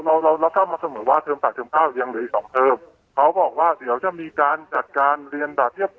เราทราบข้อมึงว่าเทอม๘เทอม๙ยังเลย๒เทอมเขาบอกว่าเดี๋ยวจะมีการจัดการเรียนประเภท